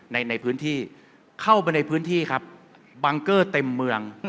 ในพื้นที่เข้าไปในพื้นที่ครับบังเกอร์เต็มเมือง